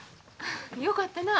よかったな。